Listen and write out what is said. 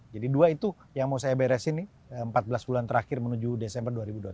jadi dua itu yang mau saya beresin nih empat belas bulan terakhir menuju desember dua ribu dua puluh tiga